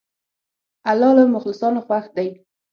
الله له مخلصانو خوښ دی.